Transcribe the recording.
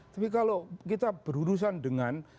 tapi kalau kita berurusan dengan